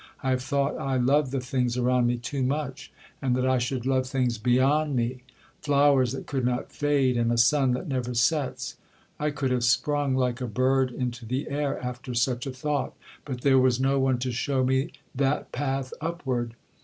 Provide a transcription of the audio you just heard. I have thought I loved the things around me too much, and that I should love things beyond me—flowers that could not fade, and a sun that never sets. I could have sprung, like a bird into the air, after such a thought—but there was no one to shew me that path upward.'